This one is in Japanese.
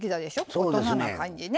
大人な感じね。